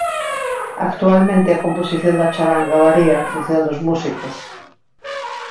Actualmente a composición da charanga varía en función dos músicos.